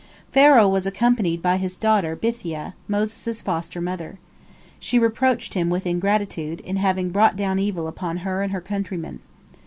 " Pharaoh was accompanied by his daughter Bithiah, Moses' foster mother. She reproached him with ingratitude, in having brought down evil upon her and her countrymen.